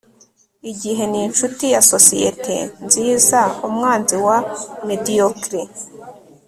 igihe ni inshuti ya sosiyete nziza, umwanzi wa mediocre